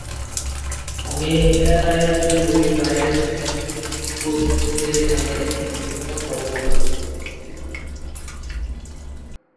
কিন্তু এ পণ্যের বাজার ছিল স্বল্প সময়ের জন্য।